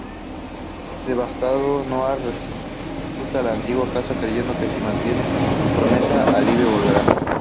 Devastado, Noah restaura la antigua casa, creyendo que si mantiene su promesa, Allie volverá.